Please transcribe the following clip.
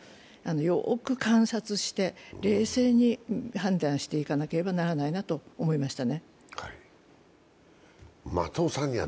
よく観察して冷静に判断していかなければならないなと思いましたね。